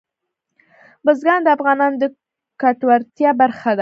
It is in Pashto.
بزګان د افغانانو د ګټورتیا برخه ده.